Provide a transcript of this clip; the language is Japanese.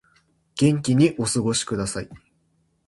元気にお過ごしください